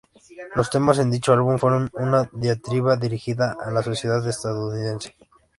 Los temas en dicho álbum fueron una diatriba dirigida a la sociedad estadounidense.